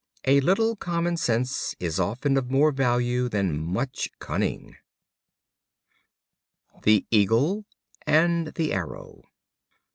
A little common sense is often of more value than much cunning. The Eagle and the Arrow.